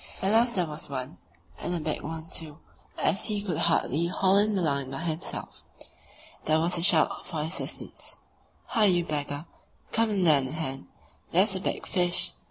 at last there was one, and a big one, too, as he could hardly haul in the line by himself. There was a shout for assistance. "Hi, you beggar! come and lend a hand; there's a big fish!"